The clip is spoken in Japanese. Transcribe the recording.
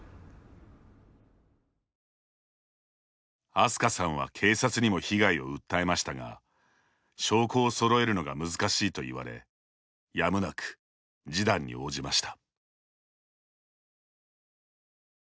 あすかさんは警察にも被害を訴えましたが証拠をそろえるのが難しいといわれやむなく、示談に応じました。